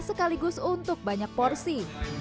sekaligus untuk banyak porsi